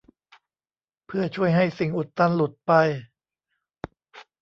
เพื่อช่วยให้สิ่งอุดตันหลุดไป